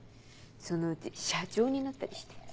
そのうち社長になったりして。